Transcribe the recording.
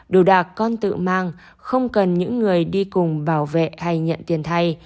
đồ đạc con tự mang không cần những người đi cùng bảo vệ hay nhận tiền thay